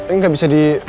ini gak bisa di